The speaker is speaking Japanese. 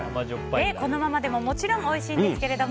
このままでももちろんおいしいんですけれども。